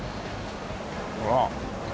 ほら。